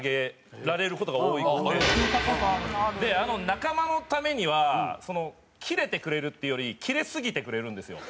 仲間のためにはキレてくれるっていうよりキレすぎてくれるんですよ。